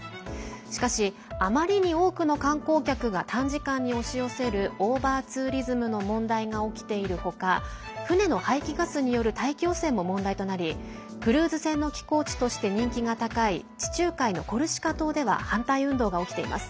しかし、あまりに多くの観光客が短時間に押し寄せるオーバーツーリズムの問題が起きている他船の排気ガスによる大気汚染も問題となりクルーズ船の寄港地として人気が高い地中海のコルシカ島では反対運動が起きています。